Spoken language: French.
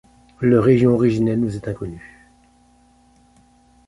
Leur région originelle nous est inconnue.